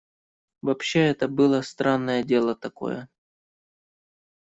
Вообще это было странное дело такое.